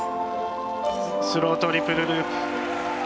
スロートリプルループ。